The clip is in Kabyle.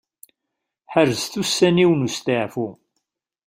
Ḥerzet ussan-iw n usteɛfu.